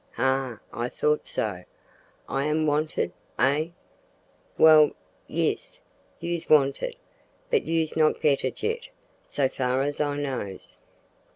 "Ha! I thought so. I am wanted, eh?" "Well, yis, you's wanted, but you's not getted yet so far as I knows."